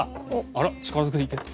あら力ずくでいける？